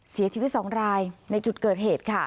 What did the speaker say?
เสียชีวิต๒รายในจุดเกิดเหตุค่ะ